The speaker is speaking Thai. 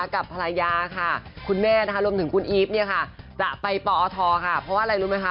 กับภรรยาค่ะคุณแม่นะคะรวมถึงคุณอีฟเนี่ยค่ะจะไปปอทค่ะเพราะว่าอะไรรู้ไหมคะ